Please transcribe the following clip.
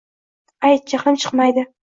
— Ayt, jahlim chiqmaydi.